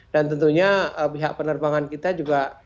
dan tentunya pihak penerbangan kita juga harus berbicara